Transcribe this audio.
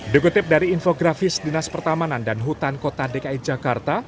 dikutip dari infografis dinas pertamanan dan hutan kota dki jakarta